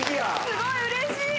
すごいうれしい！